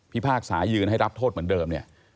พากษายืนให้รับโทษเหมือนเดิมเนี่ย